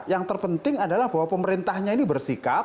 yang terpenting adalah bahwa pemerintahnya ini bersikap